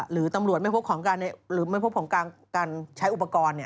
หรือตำรวจไม่พบของการใช้อุปกรณ์